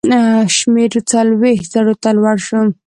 شمېر څلوېښتو زرو ته لوړ شو.